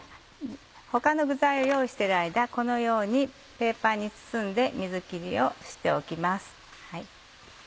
他の具材を用意してる間このようにペーパーに包んで水切りをしておきます。